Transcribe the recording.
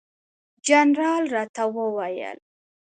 جنرال راته وویل.